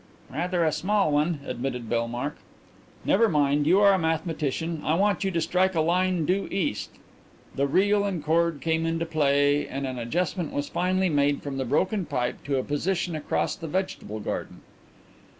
"Rather a small one," admitted Bellmark. "Never mind, you are a mathematician. I want you to strike a line due east." The reel and cord came into play and an adjustment was finally made from the broken pipe to a position across the vegetable garden.